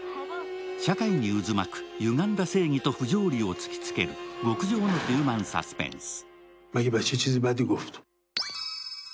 社会に渦巻く歪んだ正義と不条理を突きつける極上のヒューマン・サスペンス。